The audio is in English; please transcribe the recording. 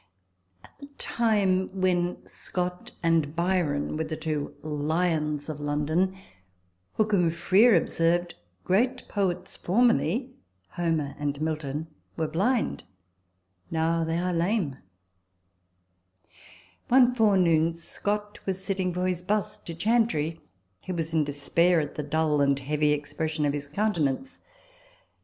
TABLE TALK OF SAMUEL ROGERS 153 At the time when Scott and Byron were the two lions of London, Hookham Frere observed, " Great poets formerly (Homer and Milton) were blind ; now they are lame." One forenoon Scott was sitting for his bust to Chantrey, who was quite in despair at the dull and heavy expression of his countenance.